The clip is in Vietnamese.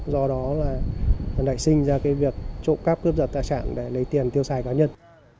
do đó là nảy sinh ra cái việc trộm cắp cướp giật tài sản để lấy tiền tiêu xài cá nhân